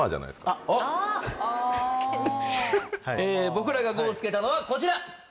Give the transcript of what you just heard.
僕らが５を付けたのはこちら！